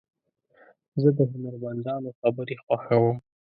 زه د هنرمندانو خبرې خوښوم.